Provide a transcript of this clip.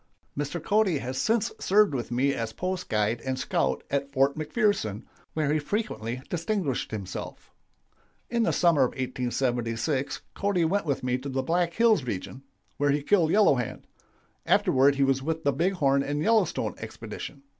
"Mr. Cody has since served with me as post guide and scout at Fort McPherson, where he frequently distinguished himself. "In the summer of 1876 Cody went with me to the Black Hills region, where he killed Yellow Hand. Afterward he was with the Big Horn and Yellowstone expedition.